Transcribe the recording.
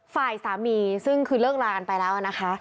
ฝ่ายสามีซึ่งคือเลิกลากันไปแล้วนะคะ